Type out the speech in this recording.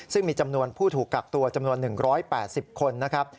ซึ่งมีจำนวนผู้ถูกกักตัวจำนวน๑๘๐คนนะครับ